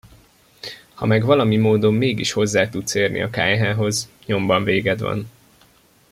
Ha meg valami módon mégis hozzá tudsz érni a kályhához, nyomban véged van.